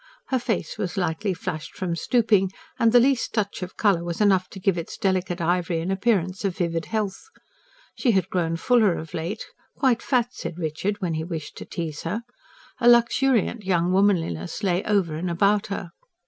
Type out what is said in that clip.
Her face was lightly flushed from stooping and the least touch of colour was enough to give its delicate ivory an appearance of vivid health. She had grown fuller of late quite fat, said Richard, when he wished to tease her: a luxuriant young womanliness lay over and about her.